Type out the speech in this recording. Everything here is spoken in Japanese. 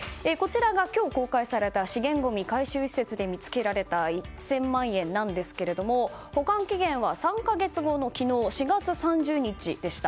今日公開された資源ごみ回収施設で見つけられた１０００万円ですが保管期限は３か月後の、昨日４月３０日でした。